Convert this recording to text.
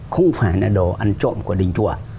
không phải là đồ ăn trộm của đình chùa